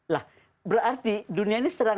lah berarti dunia ini sering ada perang